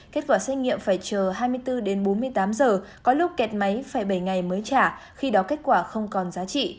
kết quả xét nghiệm phải chờ hai mươi bốn đến bốn mươi tám giờ có lúc kẹt máy phải bảy ngày mới trả khi đó kết quả không còn giá trị